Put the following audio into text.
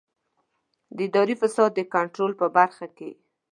د اداري فساد د کنټرول په برخه کې.